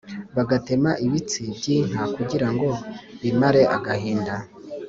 Bagatema ibitsi by inka kugira ngo bimare agahinda